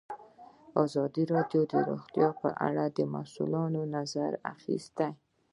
ازادي راډیو د روغتیا په اړه د مسؤلینو نظرونه اخیستي.